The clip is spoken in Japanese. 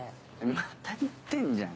また言ってんじゃん。